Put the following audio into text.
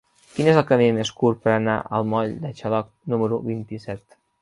Quin és el camí més curt per anar al moll de Xaloc número vint-i-set?